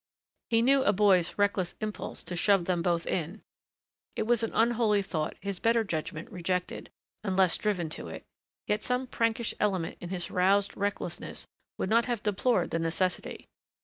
He knew a boy's reckless impulse to shove them both in. It was an unholy thought his better judgment rejected unless driven to it yet some prankish element in his roused recklessness would not have deplored the necessity.